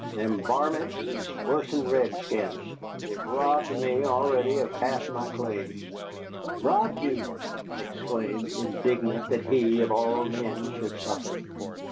Them varmints is wuss'n redskins, they've robbed me already of half my claims." "Robbed you!" I exclaimed, indignant that he, of all men, should suffer.